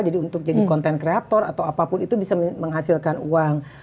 jadi untuk jadi konten kreator atau apapun itu bisa menghasilkan uang